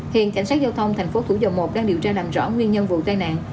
hiện cảnh sát giao thông thành phố thủ dầu một đang điều tra làm rõ nguyên nhân vụ tai nạn